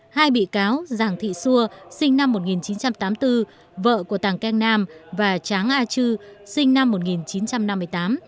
hai bị cáo giàng thị xua sinh năm một nghìn chín trăm tám mươi bốn vợ của tàng keng nam và tráng a chư sinh năm một nghìn chín trăm năm mươi tám